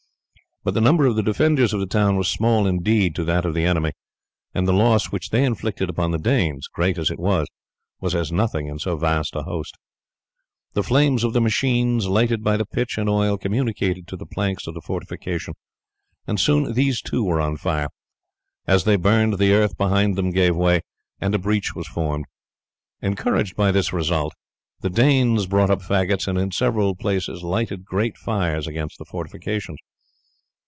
But the number of the defenders of the tower was small indeed to that of the enemy, and the loss which they inflicted upon the Danes, great as it was, was as nothing in so vast a host. The flames of the machines, lighted by the pitch and oil, communicated to the planks of the fortification, and soon these too were on fire. As they burned, the earth behind them gave way, and a breach was formed. Encouraged by this result the Danes brought up faggots, and in several places lighted great fires against the fortifications.